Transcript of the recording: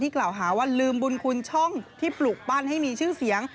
กล่าวหาว่าลืมบุญคุณช่องที่ปลูกปั้นให้มีชื่อเสียง